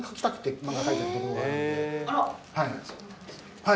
はい。